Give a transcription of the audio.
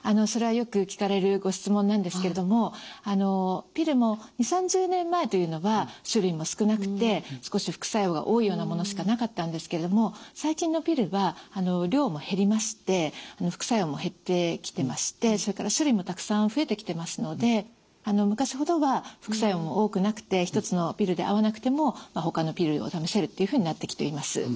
それはよく聞かれるご質問なんですけれどもピルも２０３０年前というのは種類も少なくて少し副作用が多いようなものしかなかったんですけれども最近のピルは量も減りまして副作用も減ってきてましてそれから種類もたくさん増えてきてますので昔ほどは副作用も多くなくて１つのピルで合わなくてもほかのピルを試せるっていうふうになってきています。